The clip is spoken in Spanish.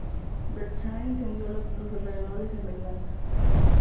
Bertrand incendio los alrededores en venganza.